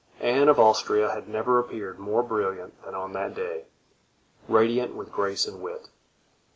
Anne of Austria had never appeared more brilliant than on that day—radiant with grace and wit.